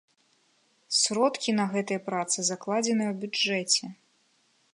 Сродкі на гэтыя працы закладзеныя ў бюджэце.